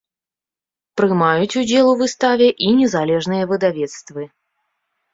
Прымаюць удзел у выставе і незалежныя выдавецтвы.